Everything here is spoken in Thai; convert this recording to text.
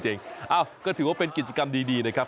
เอ้าก็ถือว่าเป็นกิจกรรมดีนะครับ